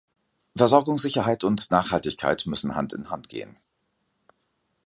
Versorgungssicherheit und Nachhaltigkeit müssen Hand in Hand gehen.